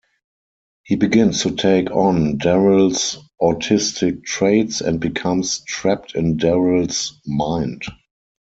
He begins to take on Darryl's autistic traits and becomes trapped in Darryl's mind.